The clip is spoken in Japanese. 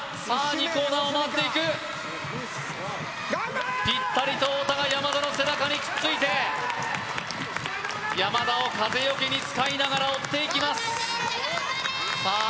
２コーナーを回っていくピッタリと太田が山田の背中にくっついて山田を風よけに使いながら追っていきますさあ